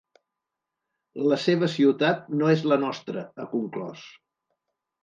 La seva ciutat no és la nostra, ha conclòs.